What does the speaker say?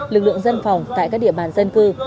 lực lượng dân phòng tại các địa bàn dân cư